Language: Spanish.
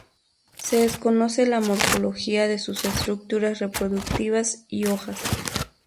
Se desconoce la morfología de sus estructuras reproductivas y hojas.